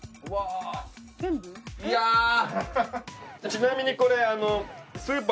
ちなみにこれあの。